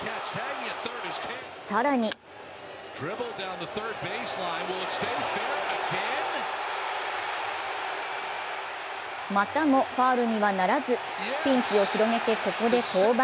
更にまたもファウルにはならずピンチを広げてここで降板。